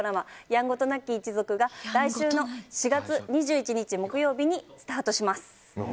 「やんごとなき一族」が来週の４月２１日木曜日にスタートします。